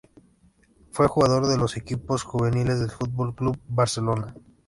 Fue jugador de los equipos juveniles del Fútbol Club Barcelona.